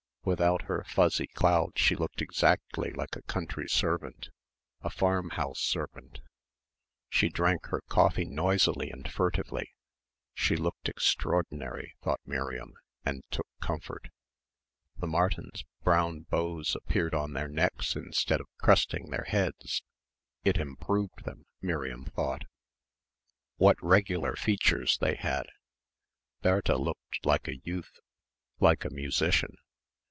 Without her fuzzy cloud she looked exactly like a country servant, a farmhouse servant. She drank her coffee noisily and furtively she looked extraordinary, thought Miriam, and took comfort. The Martins' brown bows appeared on their necks instead of cresting their heads it improved them, Miriam thought. What regular features they had. Bertha looked like a youth like a musician.